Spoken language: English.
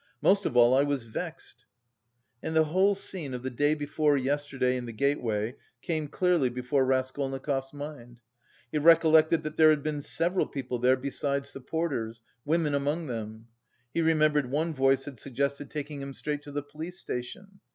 most of all I was vexed...." And the whole scene of the day before yesterday in the gateway came clearly before Raskolnikov's mind; he recollected that there had been several people there besides the porters, women among them. He remembered one voice had suggested taking him straight to the police station.